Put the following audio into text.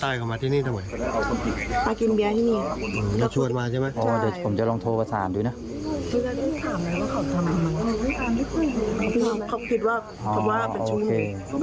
ถ้าคิดว่าเป็นช่วงอ๋อโอเค